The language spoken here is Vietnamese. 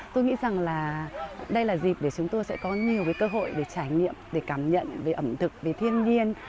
tôi nghĩ rằng đây là dịp để chúng tôi có nhiều cơ hội trải nghiệm cảm nhận về ẩm thực về thiên nhiên